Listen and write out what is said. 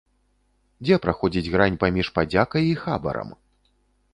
Дзе праходзіць грань паміж падзякай і хабарам?